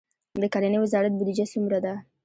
د کرنې وزارت بودیجه څومره ده؟